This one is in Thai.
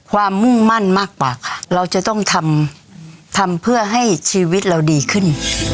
มุ่งมั่นมากกว่าเราจะต้องทำทำเพื่อให้ชีวิตเราดีขึ้น